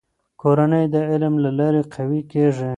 کورنۍ د علم له لارې قوي کېږي.